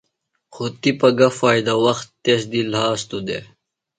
خوۡ تِپہ گہ فائدہ وخت تس دی لھاستُوۡ دےۡ۔